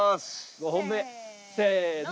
５本目せの。